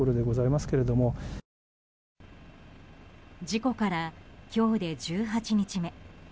事故から今日で１８日目。